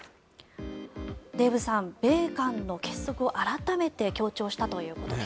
デーブさん、米韓の結束を改めて強調したということです。